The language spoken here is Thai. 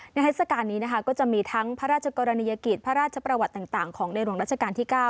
ทัศกาลนี้นะคะก็จะมีทั้งพระราชกรณียกิจพระราชประวัติต่างของในหลวงราชการที่๙